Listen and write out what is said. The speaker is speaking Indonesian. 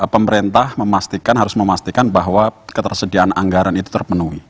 pemerintah harus memastikan bahwa ketersediaan anggaran itu terpenuhi